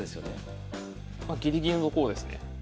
まギリギリの方ですね。